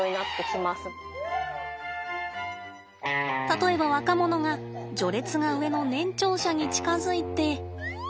例えば若者が序列が上の年長者に近づいて。